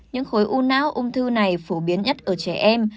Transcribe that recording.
những khối u não ung thư này phổ biến nhất ở trẻ em